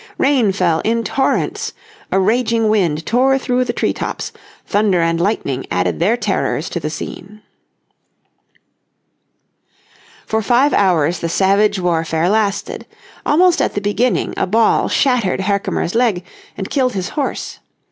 Rain fell in torrents, a raging wind tore through the tree tops, thunder and lightning added their terrors to the scene. For five hours the savage warfare lasted. Almost at the beginning a ball shattered Herkimer's leg and killed his horse.